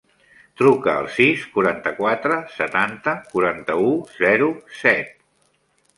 Truca al sis, quaranta-quatre, setanta, quaranta-u, zero, set.